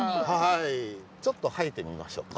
ちょっと入ってみましょうか。